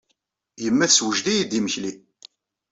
Yemma tessewjed-iyi-d imekli.